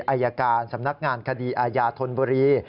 อายการสำนักงานคดีอาญาธนบุรี